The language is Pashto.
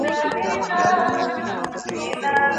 پيغمبر د عدل او انصاف نمونه و.